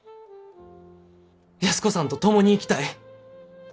安子さんと共に生きたい。